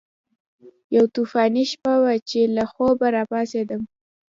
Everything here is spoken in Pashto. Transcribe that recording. یوه طوفاني شپه وه چې له خوبه راپاڅېدم.